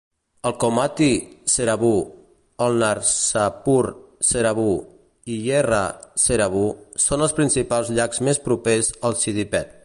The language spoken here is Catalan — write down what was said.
El Komati Cheruvu, el Narsapur Cheruvu i Yerra Cheruvu són els principals llacs més propers al Siddipet.